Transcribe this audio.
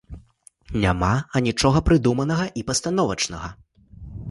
Няма анічога прыдуманага і пастановачнага.